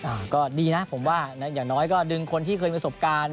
อ่าก็ดีนะผมว่าอย่างน้อยก็ดึงคนที่เคยมีประสบการณ์